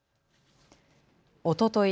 おととい